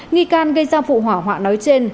nghi can gây ra vụ hỏa hoạn nói trên